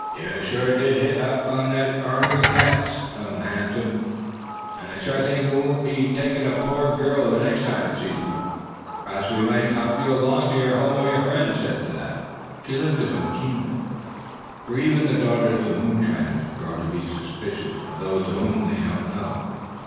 Ye did hit up that ere onary cat some handsome, an' I shore think it won't want to tackle a pore gal ther next time it sees one." "Perhaps we might help you along to the home of your friends," said Thad. She looked at him keenly, for even the daughters of moonshiners grow to be suspicious of those whom they do not know.